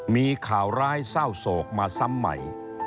มีข่าวร้ายเศร้าโศกมาซ้ำใหม่